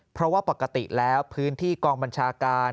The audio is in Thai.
เพราะว่าปกติแล้วพื้นที่กองบัญชาการ